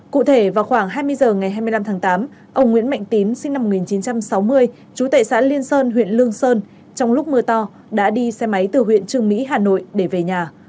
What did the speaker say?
cụ thể vào khoảng hai mươi h ngày hai mươi năm tháng tám ông nguyễn mạnh tín sinh năm một nghìn chín trăm sáu mươi chú tệ xã liên sơn huyện lương sơn trong lúc mưa to đã đi xe máy từ huyện trường mỹ hà nội để về nhà